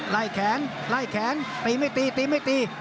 ไล่แขนไล่แขนตีไม่ตีตีไม่ตี